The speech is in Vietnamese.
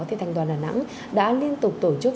thì thành đoàn đà nẵng đã liên tục tổ chức